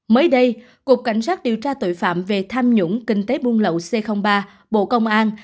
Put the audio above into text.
mới đây cục cảnh sát điều tra tội phạm về tham nhũng kinh tế buôn lậu c ba bộ công an